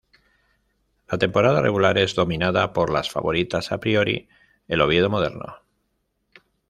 La temporada regular es dominada por las favoritas a priori, el Oviedo Moderno.